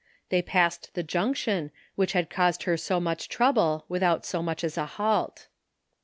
They passed the Junction, which had caused her so much trouble, without so much as a halt.